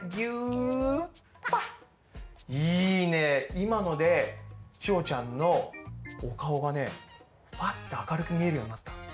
いまのでちおちゃんのおかおがねパッてあかるくみえるようになった。